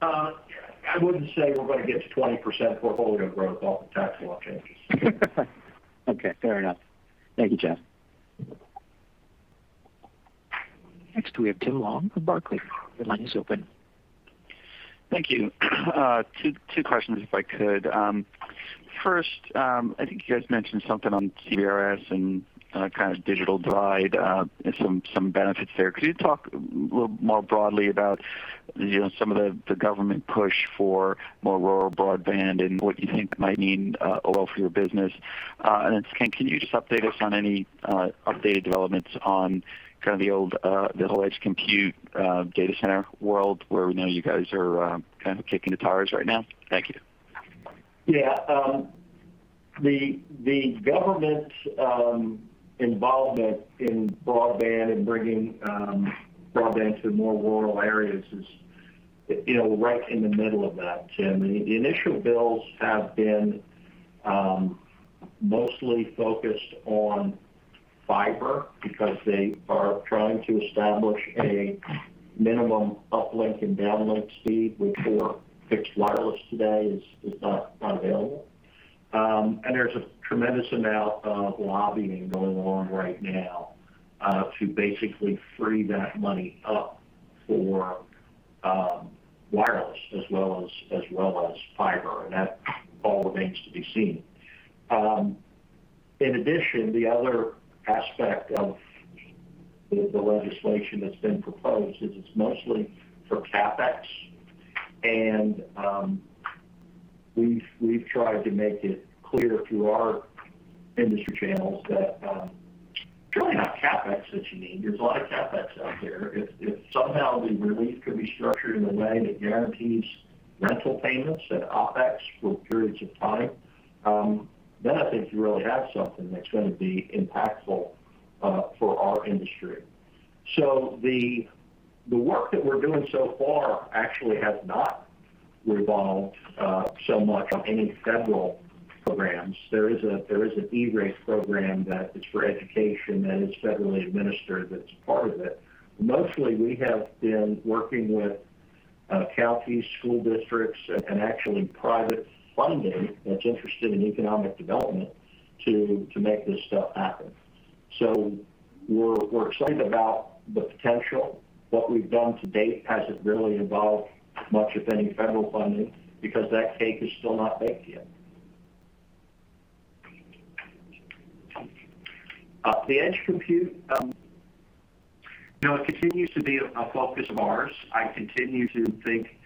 I wouldn't say we're going to get to 20% portfolio growth off the tax law changes. Okay, fair enough. Thank you, Jeff. Next, we have Tim Long from Barclays. Your line is open. Thank you. Two questions, if I could. First, I think you guys mentioned something on CBRS and kind of digital divide, and some benefits there. Could you talk a little more broadly about some of the government push for more rural broadband and what you think might mean a lot for your business? Can you just update us on any updated developments on kind of the old edge compute data center world where we know you guys are kind of kicking the tires right now? Thank you. The government's involvement in broadband and bringing broadband to more rural areas is right in the middle of that, Tim. The initial bills have been mostly focused on fiber because they are trying to establish a minimum uplink and downlink speed, which for fixed wireless today is not available. There's a tremendous amount of lobbying going on right now to basically free that money up for wireless as well as fiber, and that all remains to be seen. In addition, the other aspect of the legislation that's been proposed is it's mostly for CapEx. We've tried to make it clear through our industry channels that it's really not CapEx that you need. There's a lot of CapEx out there. If somehow the release could be structured in a way that guarantees rental payments and OpEx for periods of time, then I think you really have something that's going to be impactful for our industry. The work that we're doing so far actually has not revolved so much on any federal programs. There is an E-Rate program that is for education that is federally administered that's part of it. Mostly, we have been working with county school districts and actually private funding that's interested in economic development to make this stuff happen. We're excited about the potential. What we've done to date hasn't really involved much of any federal funding because that cake is still not baked yet. The edge compute, it continues to be a focus of ours. I continue to think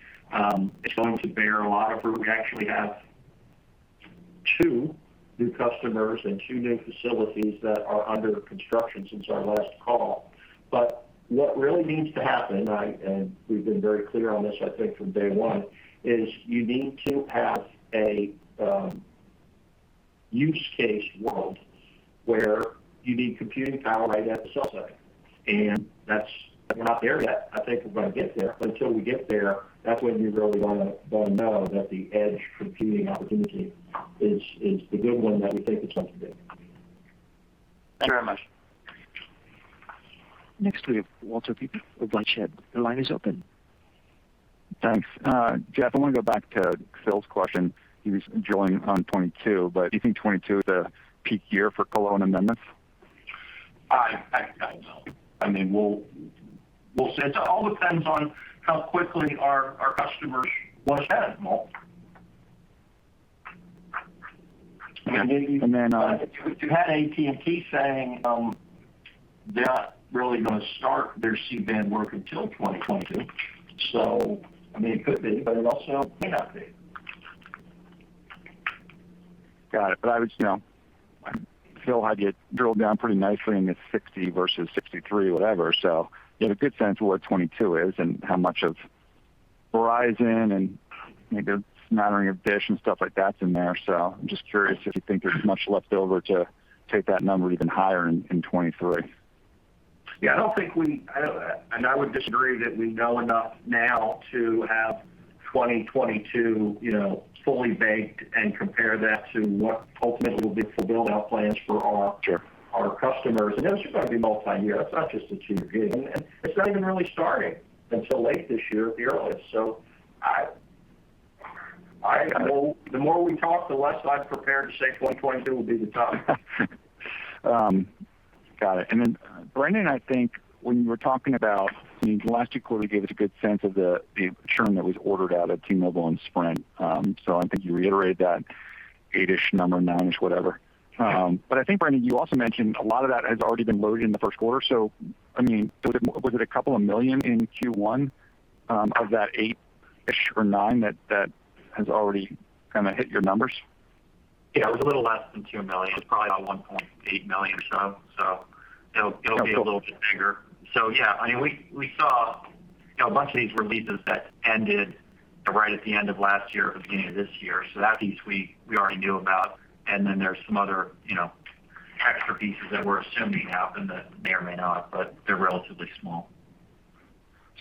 it's going to bear a lot of fruit. We actually have two new customers and two new facilities that are under construction since our last call. What really needs to happen, and we've been very clear on this, I think, from day one, is you need to have a use case world where you need computing power right at the cell site. We're not there yet. I think we're going to get there, but until we get there, that's when you really want to know that the edge computing opportunity is the good one that we think it's up to date. Thank you very much. Next, we have Walter Piecyk with LightShed Partners. The line is open. Thanks. Jeff, I want to go back to Phil's question. He was joining on 22. Do you think 22 is a peak year for colo amendments? I don't know. It all depends on how quickly our customers want to add more. You had AT&T saying they're not really going to start their C-band work until 2022. It could be, but it also may not be. Got it. Phil had you drilled down pretty nicely in this 60 versus 63, whatever. You have a good sense of what 2022 is and how much of Verizon and maybe a smattering of Dish and stuff like that's in there. I'm just curious if you think there's much left over to take that number even higher in 2023. Yeah, I would disagree that we know enough now to have 2022 fully baked and compare that to what ultimately will be the build-out plans for all. Sure. Our customers. That's just going to be multi-year. It's not just a two-year period. It's not even really starting until late this year at the earliest. The more we talk, the less I'm prepared to say 2022 will be the top. Got it. Brendan, I think when you were talking about the last two quarters gave us a good sense of the churn that was ordered out of T-Mobile and Sprint. I think you reiterated that eight-ish number, nine-ish, whatever. I think Brendan, you also mentioned a lot of that has already been loaded in the first quarter. Was it a couple of million in Q1 of that eight-ish or nine that has already kind of hit your numbers? Yeah, it was a little less than $2 million. It's probably about $1.8 million or so. It'll be a little bit bigger. We saw a bunch of these releases that ended right at the end of last year or beginning of this year. That piece we already knew about, and then there's some other extra pieces that we're assuming happened that may or may not, but they're relatively small.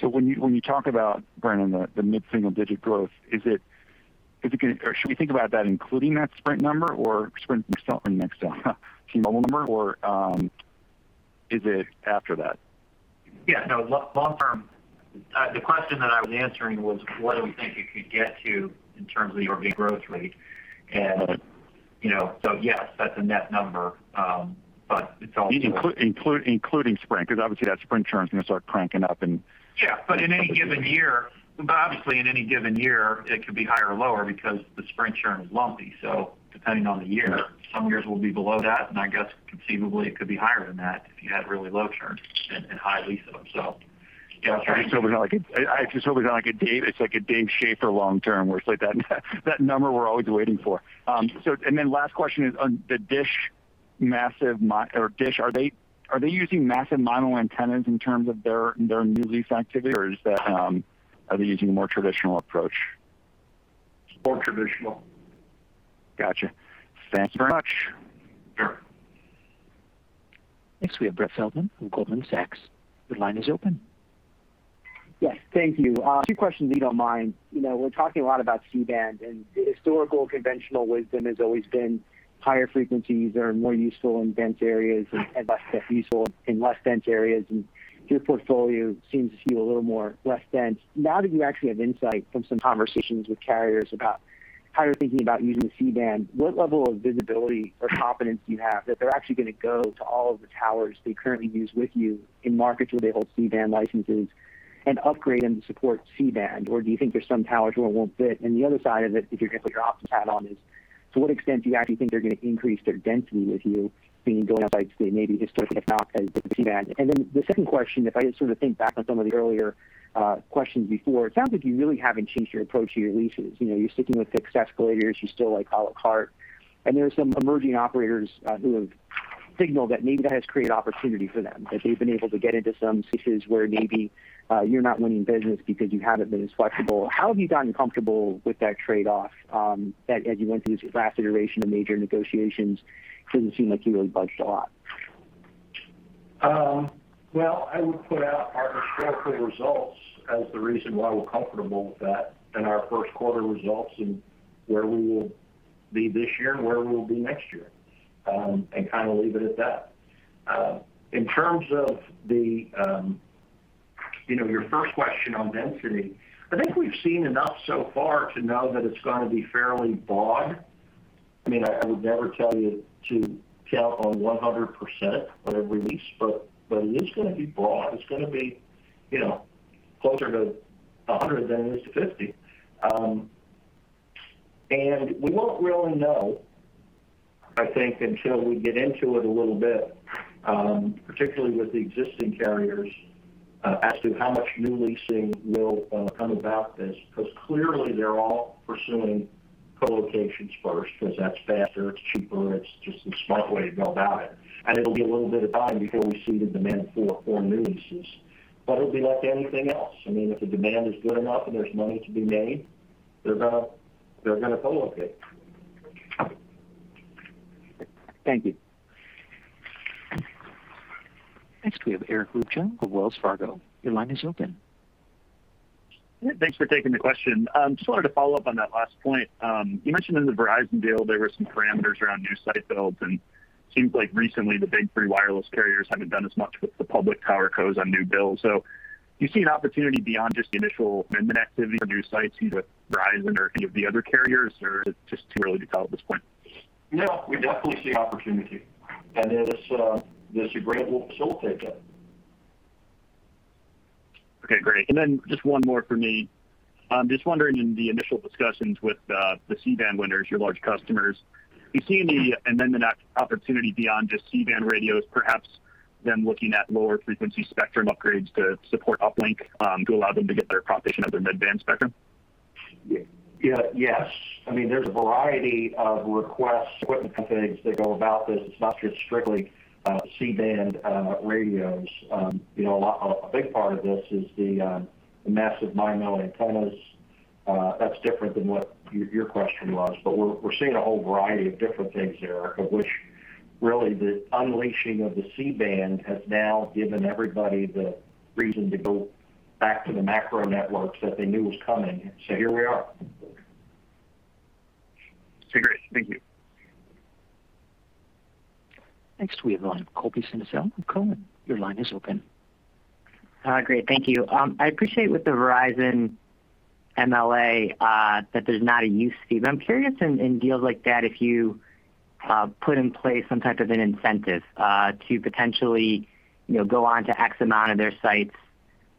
When you talk about, Brendan, the mid-single digit growth, should we think about that including that Sprint number, or Sprint next up T-Mobile number, or is it after that? Yeah, no. Long term, the question that I was answering was what do we think it could get to in terms of the year-over-year growth rate and- Yes, that's a net number. Including Sprint, because obviously that Sprint churn is going to start cranking up. Yeah. Obviously, in any given year, it could be higher or lower because the Sprint churn is lumpy. Depending on the year, some years we'll be below that, and I guess conceivably it could be higher than that if you had really low churn and high leasing. Yeah. I just hope it's not like a David Schaeffer long term, where it's like that number we're always waiting for. Last question is on the Dish, are they using massive MIMO antennas in terms of their new lease activity, or are they using a more traditional approach? More traditional. Got you. Thank you very much. Sure. Next we have Brett Feldman from Goldman Sachs. Your line is open. Yes. Thank you. Two questions, if you don't mind. We're talking a lot about C-band. The historical conventional wisdom has always been higher frequencies are more useful in dense areas and less useful in less dense areas. Your portfolio seems to skew a little more less dense. Now that you actually have insight from some conversations with carriers about how you're thinking about using C-band, what level of visibility or confidence do you have that they're actually going to go to all of the towers they currently use with you in markets where they hold C-band licenses and upgrade them to support C-band? Do you think there's some towers where it won't fit? The other side of it, if you're going to put your ops hat on, is to what extent do you actually think they're going to increase their density with you being going outside maybe historically off as C-band? Then the second question, if I just think back on some of the earlier questions before, it sounds like you really haven't changed your approach to your leases. You're sticking with fixed escalators. You still like a la carte. There are some emerging operators who have signaled that maybe that has created opportunity for them, that they've been able to get into some spaces where maybe you're not winning business because you haven't been as flexible. How have you gotten comfortable with that trade-off as you went through this last iteration of major negotiations? It doesn't seem like you really budged a lot. Well, I would put out our historical results as the reason why we're comfortable with that, and our first quarter results and where we will be this year and where we will be next year, and leave it at that. In terms of your first question on density, I think we've seen enough so far to know that it's going to be fairly broad. I would never tell you to count on 100% on every lease, but it is going to be broad. It's going to be closer to 100 than it is to 50. We won't really know, I think, until we get into it a little bit, particularly with the existing carriers, as to how much new leasing will come about this. Because clearly they're all pursuing colocations first because that's faster, it's cheaper, it's just the smart way to go about it. It'll be a little bit of time before we see the demand for new leases. It'll be like anything else. If the demand is good enough and there's money to be made, they're going to co-locate. Thank you. Next we have Eric Luebchow of Wells Fargo. Your line is open. Thanks for taking the question. Wanted to follow up on that last point. You mentioned in the Verizon deal, there were some parameters around new site builds, seems like recently the big three wireless carriers haven't done as much with the public tower cos on new builds. Do you see an opportunity beyond just the initial amendment activity for new sites with Verizon or any of the other carriers, or is it just too early to tell at this point? No, we definitely see opportunity. There's a great little cell take-up. Okay, great. Just one more from me. Just wondering, in the initial discussions with the C-band winners, your large customers, do you see any amendment opportunity beyond just C-band radios, perhaps them looking at lower frequency spectrum upgrades to support uplink to allow them to get better propagation of their mid-band spectrum? Yes. There's a variety of requests, equipment configs that go about this. It's not just strictly C-band radios. A big part of this is the massive MIMO antennas. That's different than what your question was, but we're seeing a whole variety of different things, Eric, of which really the unleashing of the C-band has now given everybody the reason to go back to the macro networks that they knew was coming. Here we are. Okay, great. Thank you. Next we have on Colby Synesael from Cowen. Your line is open. Great. Thank you. I appreciate with the Verizon MLA, that there's not a use fee. I'm curious in deals like that, if you put in place some type of an incentive to potentially go on to X amount of their sites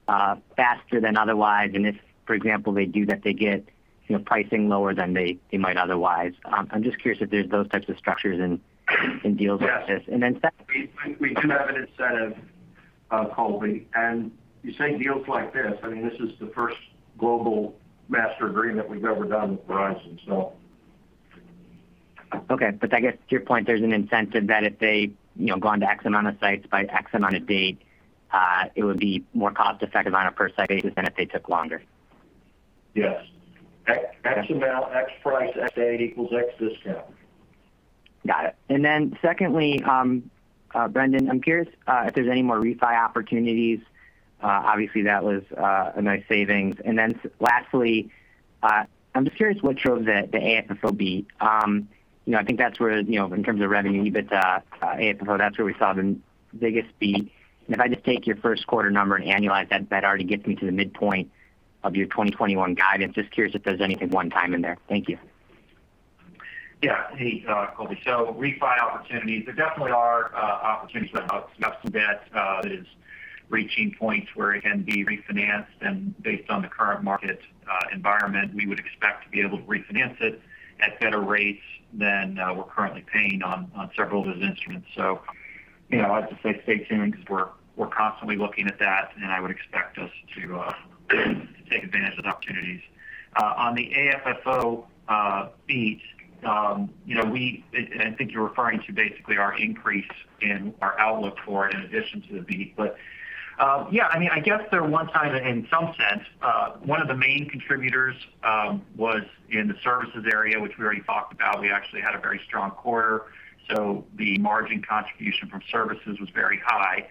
faster than otherwise. If, for example, they do that, they get pricing lower than they might otherwise. I'm just curious if there's those types of structures in deals like this. Yes. And then second. We do have an incentive, Colby. You say deals like this is the first global master agreement we've ever done with Verizon, so. Okay. I guess to your point, there's an incentive that if they go onto X amount of sites by X amount of date, it would be more cost effective on a per site basis than if they took longer. Yes. X amount, X price, X date equals X discount. Got it. Secondly, Brendan, I'm curious if there's any more refi opportunities. Obviously, that was a nice savings. Lastly, I'm just curious what drove the AFFO beat. I think that's where, in terms of revenue, EBITDA, AFFO, that's where we saw the biggest beat. If I just take your first quarter number and annualize that already gets me to the midpoint of your 2021 guidance, just curious if there's anything one time in there. Thank you. Yeah. Hey, Colby. Refi opportunities. There definitely are opportunities about some debt that is reaching points where it can be refinanced. Based on the current market environment, we would expect to be able to refinance it at better rates than we're currently paying on several of those instruments. I have to say stay tuned because we're constantly looking at that, and I would expect us to take advantage of those opportunities. On the AFFO beat, I think you're referring to basically our increase in our outlook for it in addition to the beat. Yeah, I guess they're one-time in some sense. One of the main contributors was in the services area, which we already talked about. We actually had a very strong quarter, so the margin contribution from services was very high.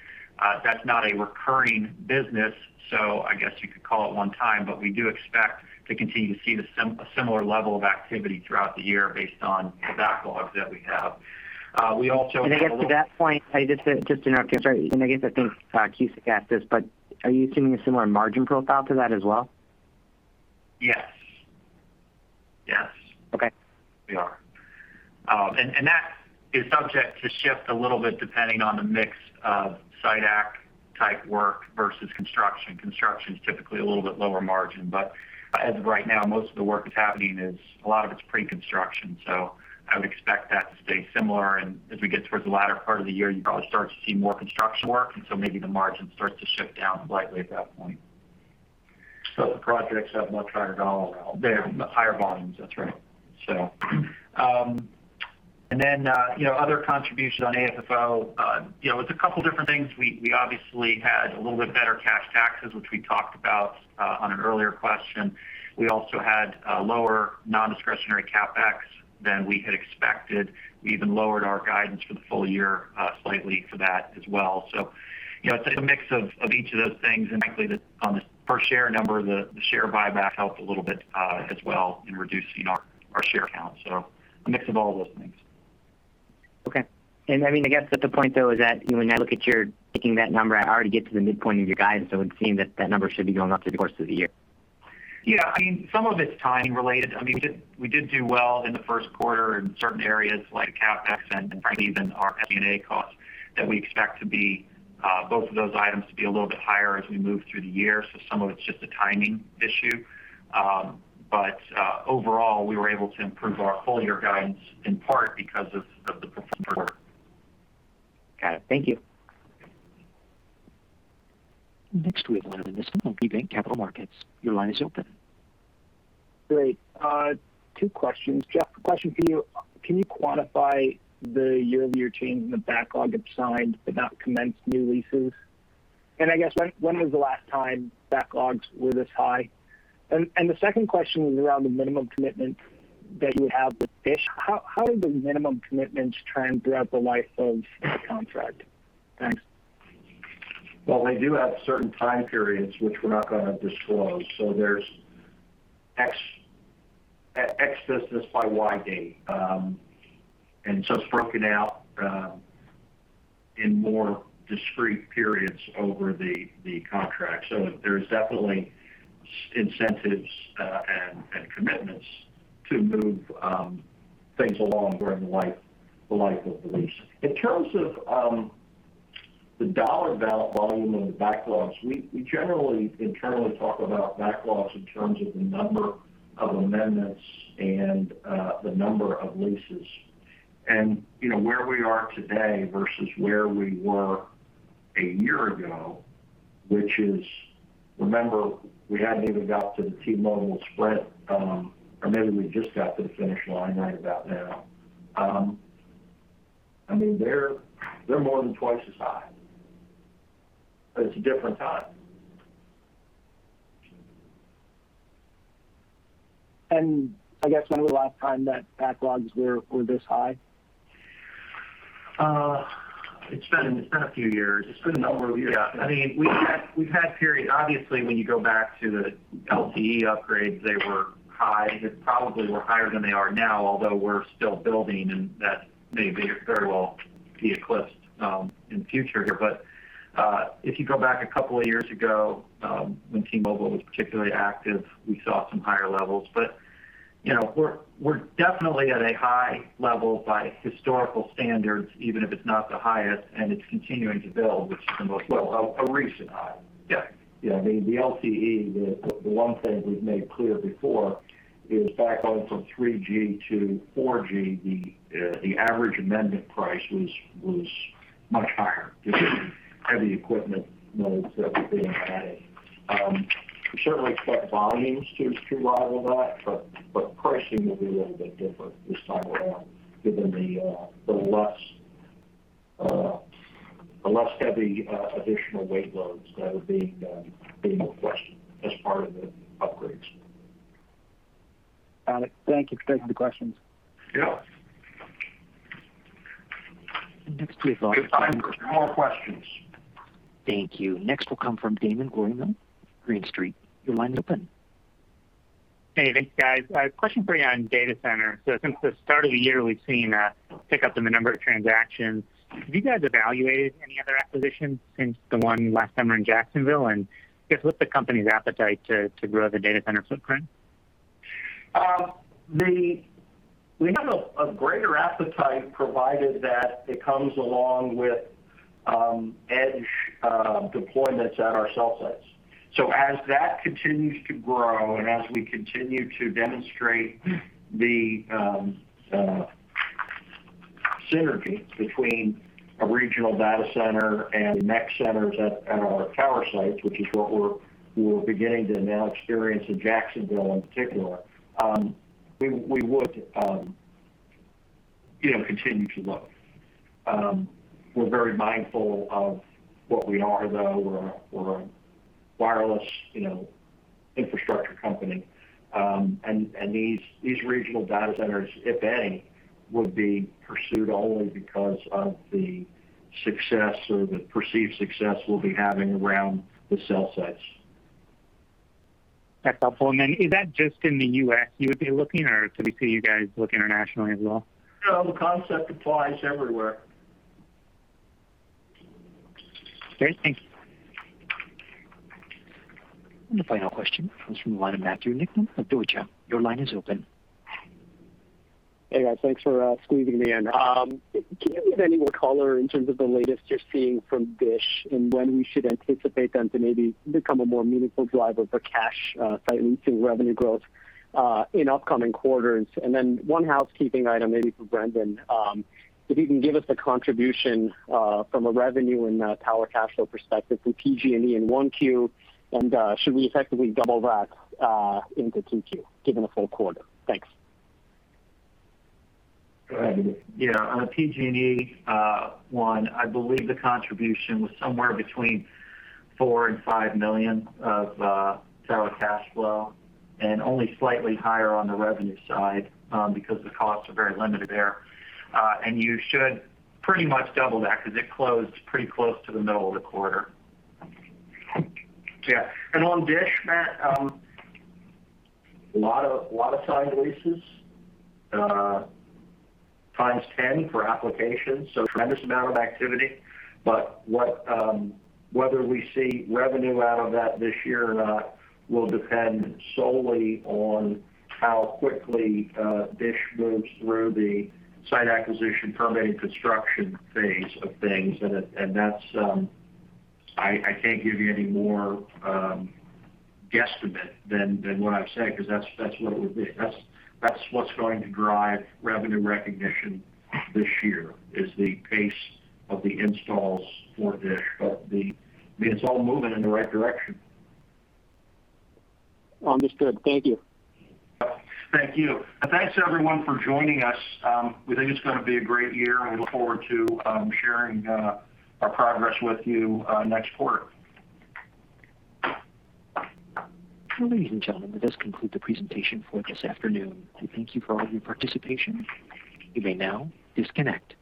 That's not a recurring business, so I guess you could call it one time. We do expect to continue to see a similar level of activity throughout the year based on the backlogs that we have. I guess at that point, just to interrupt you, I'm sorry. I guess I think Cusick asked this, but are you assuming a similar margin profile to that as well? Yes. Okay. We are. That is subject to shift a little bit depending on the mix of site acq type work versus construction. Construction's typically a little bit lower margin. As of right now, most of the work that's happening, a lot of it's pre-construction. I would expect that to stay similar, and as we get towards the latter part of the year, you'd probably start to see more construction work, and so maybe the margin starts to shift down slightly at that point. The projects have much higher dollar value. They have higher volumes, that's right. Other contributions on AFFO. It's a couple of different things. We obviously had a little bit better cash taxes, which we talked about on an earlier question. We also had lower non-discretionary CapEx than we had expected. We even lowered our guidance for the full year slightly for that as well. It's a mix of each of those things. Actually, on the per share number, the share buyback helped a little bit as well in reducing our share count. A mix of all those things. Okay. I guess that the point though is that when I look at you taking that number, I already get to the midpoint of your guidance. It would seem that that number should be going up through the course of the year. Yeah. Some of it's timing related. We did do well in the first quarter in certain areas like CapEx and frankly, even our SBA costs that we expect both of those items to be a little bit higher as we move through the year. Some of it's just a timing issue. Overall, we were able to improve our full-year guidance in part because of the performance. Got it. Thank you. Next, we have the line of Brandon Nispel on KeyBanc Capital Markets. Your line is open. Great. Two questions. Jeff, a question for you. Can you quantify the year over year change in the backlog of signed but not commenced new leases? I guess, when was the last time backlogs were this high? The second question was around the minimum commitment that you have with Dish. How do the minimum commitments trend throughout the life of the contract? Thanks. Well, they do have certain time periods, which we're not going to disclose. There's X business by Y date. It's broken out in more discrete periods over the contract. There's definitely incentives and commitments to move things along during the life of the lease. In terms of the dollar volume in the backlogs, we generally internally talk about backlogs in terms of the number of amendments and the number of leases. Where we are today versus where we were a year ago, which is, remember, we hadn't even got to the T-Mobile split, or maybe we just got to the finish line right about now. They're more than twice as high. It's a different time. I guess when was the last time that backlogs were this high? It's been a few years. It's been a number of years. Yeah. We've had periods. Obviously, when you go back to the LTE upgrades, they were high. They probably were higher than they are now, although we're still building, and that may very well be eclipsed in future here. If you go back a couple of years ago when T-Mobile was particularly active, we saw some higher levels. We're definitely at a high level by historical standards, even if it's not the highest, and it's continuing to build. Well, a recent high. Yeah. Yeah. The LTE, the one thing we've made clear before is back on from 3G to 4G, the average amendment price was much higher because of the heavy equipment loads that were being added. Pricing will be a little bit different this time around given the less heavy additional weight loads that are being requested as part of the upgrades. Got it. Thank you for taking the questions. Yeah. And next we have. We have time for more questions. Thank you. Next will come from David Guarino, Green Street. Your line is open. Hey, thanks guys. A question for you on data center. Since the start of the year, we've seen a pickup in the number of transactions. Have you guys evaluated any other acquisitions since the one last summer in Jacksonville? I guess, what's the company's appetite to grow the data center footprint? We have a greater appetite, provided that it comes along with edge deployments at our cell sites. As that continues to grow, and as we continue to demonstrate the synergy between a regional data center and the next centers at our tower sites, which is what we're beginning to now experience in Jacksonville in particular, we would continue to look. We're very mindful of what we are, though. We're a wireless infrastructure company. These regional data centers, if any, would be pursued only because of the success or the perceived success we'll be having around the cell sites. That's helpful. Is that just in the U.S. you would be looking, or could we see you guys look internationally as well? No, the concept applies everywhere. Great. Thank you. The final question comes from the line of Matthew Niknam of Deutsche. Your line is open. Hey, guys. Thanks for squeezing me in. Can you give any more color in terms of the latest you're seeing from Dish and when we should anticipate them to maybe become a more meaningful driver for cash site leasing revenue growth in upcoming quarters? One housekeeping item, maybe for Brendan, if you can give us the contribution from a revenue and tower cash flow perspective for PG&E in 1Q, and should we effectively double that into 2Q, given a full quarter? Thanks. Go ahead, Brendan. Yeah. On the PG&E one, I believe the contribution was somewhere between $4 million and $5 million of tower cash flow, only slightly higher on the revenue side because the costs are very limited there. You should pretty much double that because it closed pretty close to the middle of the quarter. Yeah. On Dish, Matt, a lot of site leases, times 10 for applications, tremendous amount of activity. Whether we see revenue out of that this year or not will depend solely on how quickly Dish moves through the site acquisition permitting construction phase of things. I can't give you any more guesstimate than what I've said, because that's what it would be. That's what's going to drive revenue recognition this year, is the pace of the installs for Dish. It's all moving in the right direction. Understood. Thank you. Thank you. Thanks, everyone, for joining us. We think it's going to be a great year, and we look forward to sharing our progress with you next quarter. Ladies and gentlemen, that does conclude the presentation for this afternoon. We thank you for all of your participation. You may now disconnect.